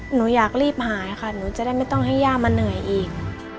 หนูอยากรีบหายค่ะหนูจะได้ไม่ต้องให้ย่ามาเหนื่อยอีก